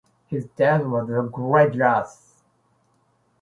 His death was a great loss.